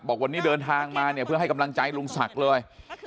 บอกวันนี้เดินทางมาว่าให้กำลังใจลุงศักดิ์เลย